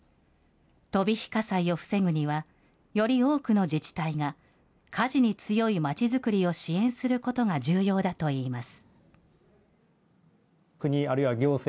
飛び火火災を防ぐには、より多くの自治体が火事に強い町作りを支援することが重要だといいます。